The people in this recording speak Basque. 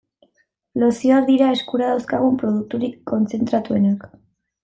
Lozioak dira eskura dauzkagun produkturik kontzentratuenak.